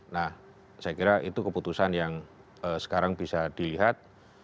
nah saya kira itu keputusan yang sekarang bisa dilihat